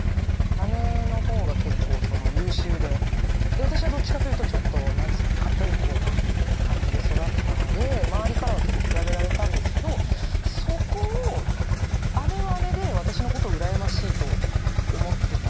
姉の方が結構優秀で私はどっちかというとちょっと破天荒な感じで育ったので周りからは結構比べられたんですけどそこを姉は姉で私のことを羨ましいと思ってたみたいで。